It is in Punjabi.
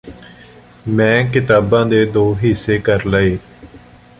ਮੈਂ ਕਿਤਾਬ ਦੇ ਦੋ ਹਿੱਸੇ ਕਰ ਲਏ